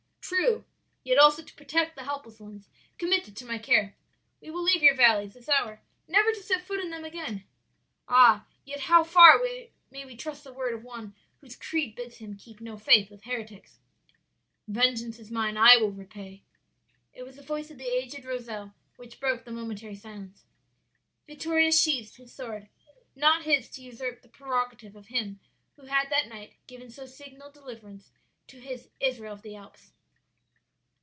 "'True; yet also to protect the helpless ones committed to my care.' "'We will leave your valleys this hour; never to set foot in them again.' "'Ah! yet how far may we trust the word of one whose creed bids him keep no faith with heretics?' "'" Vengeance is Mine, I will repay."' "It was the voice of the aged Rozel which broke the momentary silence. "Vittoria sheathed his sword. Not his to usurp the prerogative of Him who had that night given so signal deliverance to His 'Israel of the Alps.'"